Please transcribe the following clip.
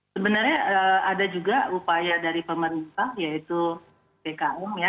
sebenarnya ada juga upaya dari pemerintah yaitu bkm ya